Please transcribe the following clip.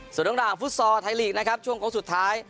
สวัสดีทั้งฟุษซอไทยลีกนะครับช่วงของสุดท้าย